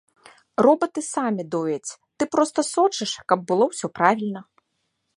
Робаты самі дояць, ты проста сочыш, каб было ўсё правільна.